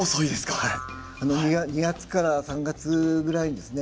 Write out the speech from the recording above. ２月から３月ぐらいにですね